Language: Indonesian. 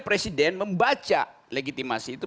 karena itu disebut sebagai extraordinary crime